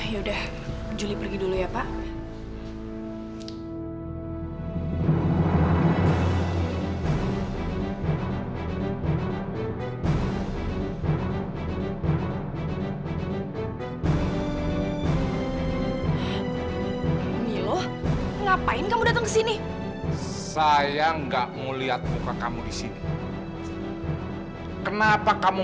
yaudah juli pergi dulu ya pak